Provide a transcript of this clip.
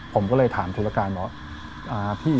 ผมก็เลยถามธุรการบอก